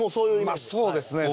そうですね。